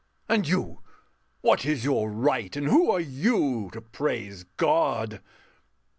And you what is your right, and who are you, To praise God?